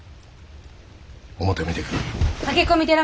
表見てくる。